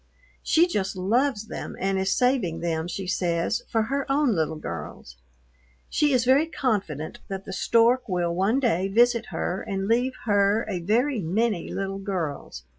She just loves them and is saving them, she says, for her own little girls. She is very confident that the stork will one day visit her and leave her a "very many" little girls.